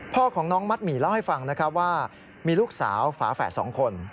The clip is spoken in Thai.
พ่อของน้องมัดหมี่เล่าให้ฟังนะครับว่ามีลูกสาวฝาแฝด๒คน